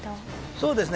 そうですね。